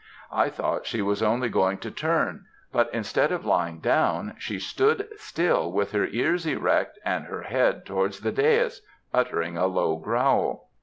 I thought she was only going to turn, but, instead of lying down, she stood still with her ears erect and her head towards the dais, uttering a low growl.